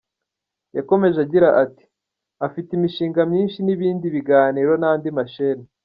Yakomeje agira ati” Afite imishinga myinshi n’ibindi biganiro n’andi mashene.